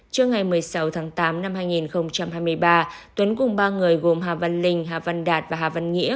trước ngày một mươi sáu tháng tám năm hai nghìn hai mươi ba tuấn cùng ba người gồm hà văn linh hà văn đạt và hà văn nghĩa